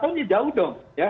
empat tahun jauh dong